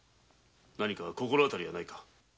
心当たりはないか？